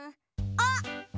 あっ！